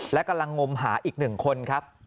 และกำลังงมหาอีก๑คนครับ